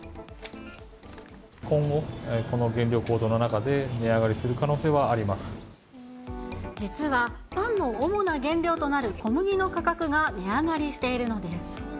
今後、この原料高騰の中で、実は、パンの主な原料となる小麦の価格が値上がりしているのです。